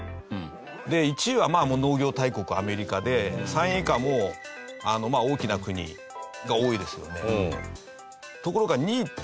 １位は農業大国アメリカで３位以下も大きな国が多いですよね。